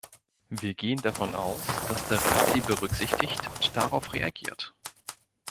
Wir gehen davon aus, dass der Rat sie berücksichtigt und darauf reagiert.